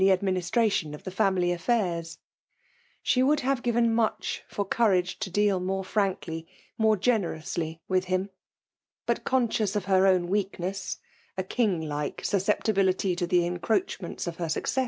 a4 fi<iaiistration of the family affairs* She woaUl iMtve given much for courage to deal morp franUy, mcnre generously, with him : but ooiil> acious of her own weakness (a king^like aus> ceptibility to the encroachments of her socsf